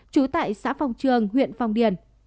trú tại xã phong trường huyện phong điền